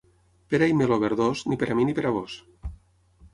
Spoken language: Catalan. Pera i meló verdós, ni per mi ni per vós.